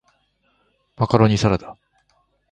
マカロニサラダ